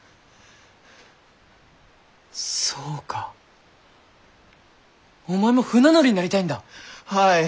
そうかお前も船乗りになりたいんだ！